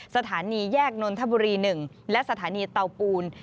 สถานีแยกนนทบุรี๑และสถานีเตาปูน